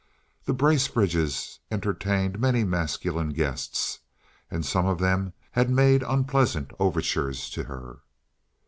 The Bracebridges entertained many masculine guests, and some of them had made unpleasant overtures to her.